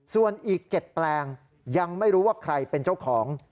ส่วนอีก๗แปลงยังไม่รู้ว่าใครเป็นเจ้าของ